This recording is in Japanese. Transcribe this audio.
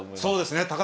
そうですね。